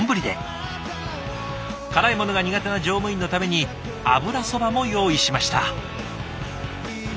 辛いものが苦手な乗務員のために油そばも用意しました。